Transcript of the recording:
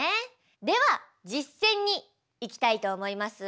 では実践にいきたいと思います。